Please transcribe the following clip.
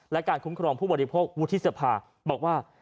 และการคุ้มครองผู้บริโภควุฒิสภาบอกว่า